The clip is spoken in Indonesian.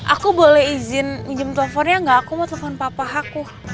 aku boleh izin pinjam teleponnya gak aku mau telepon papa aku